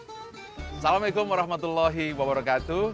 assalamualaikum warahmatullahi wabarakatuh